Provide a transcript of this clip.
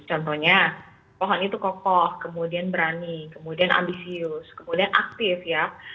contohnya pohon itu kokoh kemudian berani kemudian ambisius kemudian aktif ya